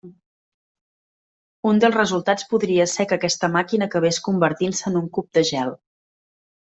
Un dels resultats podria ser que aquesta màquina acabés convertint-se en un cub de gel.